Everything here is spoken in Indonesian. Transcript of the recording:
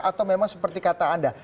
atau memang seperti kata anda